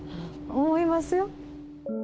思いますよ。